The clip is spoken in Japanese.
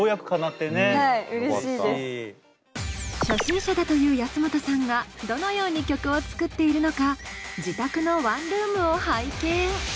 初心者だという安本さんがどのように曲を作っているのか自宅のワンルームを拝見。